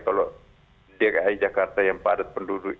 kalau di rai jakarta yang padat penduduk